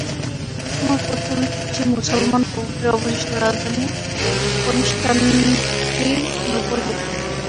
তোমায় পত্র লিখছি মুসলমান-প্রভুত্বের অবশিষ্ট রাজধানী কনষ্টাণ্টিনোপল হতে।